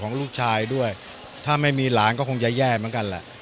ลูกชายด้วยถ้าไม่มีหลานก็คงจะแย่เหมือนกันแหละ